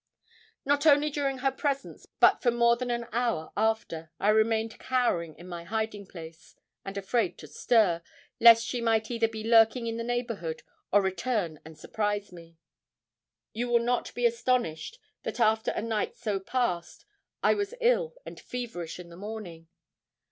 Not only during her presence, but for more than an hour after, I remained cowering in my hiding place, and afraid to stir, lest she might either be lurking in the neighborhood, or return and surprise me. You will not be astonished, that after a night so passed I was ill and feverish in the morning.